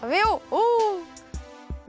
お！